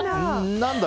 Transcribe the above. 何だ？